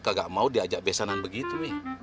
tidak mau diajak besanan begitu